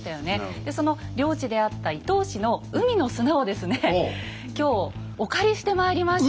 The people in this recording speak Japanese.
でその領地であった伊東市の海の砂をですね今日お借りしてまいりました。